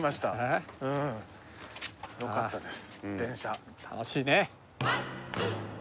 よかったです